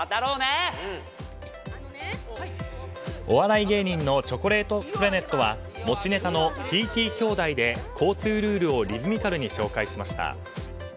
お笑い芸人のチョコレートプラネットは持ちネタのＴＴ兄弟で交通ルールをリズミカルに紹介しました。